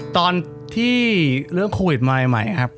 ตอนที่เรื่องโควิดมาใหม่ครับ